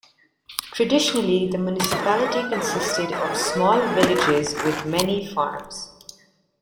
Traditionally the municipality consisted of small villages with many farms.